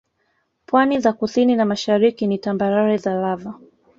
Pwani za kusini na mashariki ni tambarare za Lava